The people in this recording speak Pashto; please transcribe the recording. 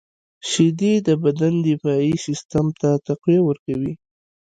• شیدې د بدن دفاعي سیسټم ته تقویه ورکوي.